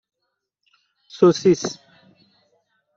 سوسیس